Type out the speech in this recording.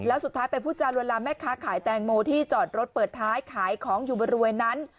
แล้วสุดท้ายไปพูดจารวนลามแม่ค้าขายแตงโมที่จอดรถเปิดท้ายขายของอยู่บริเวณนั้น